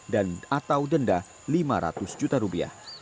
dan atau denda lima ratus juta rupiah